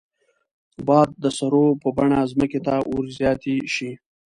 باید د سرو په بڼه ځمکې ته ور زیاتې شي.